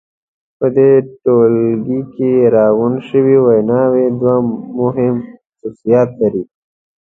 په دې ټولګه کې راغونډې شوې ویناوی دوه مهم خصوصیتونه لري.